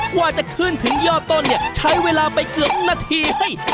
กว่าจะขึ้นถึงยอดต้นเนี่ยใช้เวลาไปเกือบนาที